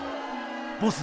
ボス